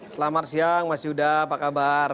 selamat siang mas yuda apa kabar